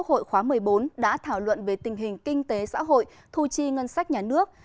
quốc hội khóa một mươi bốn đã thảo luận về tình hình kinh tế xã hội thu chi ngân sách nhà nước